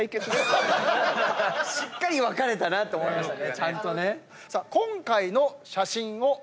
しっかり分かれたなと思いましたねちゃんとね。